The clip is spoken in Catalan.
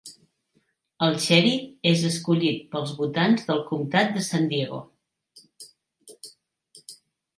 El xèrif és escollit pels votants del comptat de San Diego.